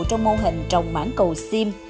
trong mô hình trồng mãn cầu sim